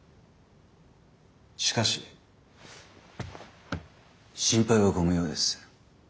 しかし心配はご無用です。